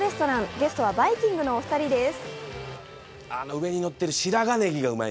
ゲストは、バイきんぐのお二人です